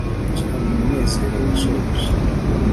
injira mu umunezero wa shobuja